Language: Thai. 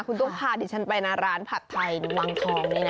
คุณต้องพาดิฉันไปนะร้านผัดไทยวังทองนี่นะ